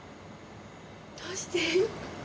どうして？